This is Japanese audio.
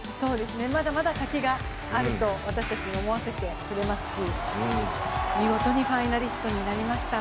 まだまだ先があると私たちに思わせてくれますし見事にファイナリストになりました